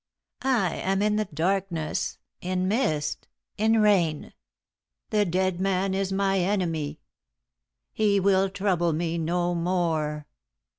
I am in the darkness in mist in rain the dead man is my enemy he will trouble me no more."